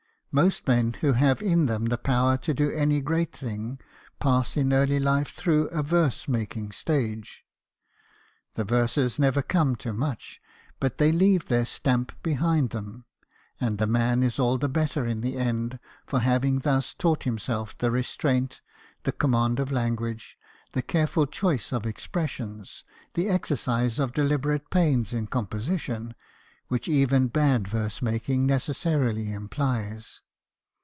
Most men who have in them the power to do any great thing pass in early life through a verse making stage. The verses never come to much ; but they leave their stamp behind them ; and the man is all the better in the end for having thus taught himself the restraint, the command of language, the careful choice of expressions, the exercise of deliberate pains in composition, which even bad verse making necessarily implies.